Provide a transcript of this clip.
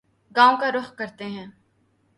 گاوں کا رخ کرتے ہیں